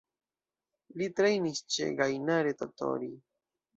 Li trejnis ĉe Gainare Tottori.